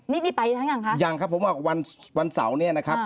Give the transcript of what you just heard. นี่ไปทั้งอย่างคะยังครับผมว่าวันเสาร์นี้นะครับ